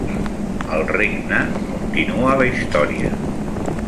"El Regne" continua la història.